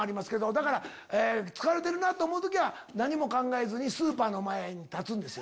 だから疲れてると思う時は何も考えずにスーパーの前に立つんですよ。